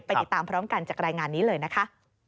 ติดตามพร้อมกันจากรายงานนี้เลยนะคะ